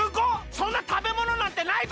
そんなたべものなんてないぞ！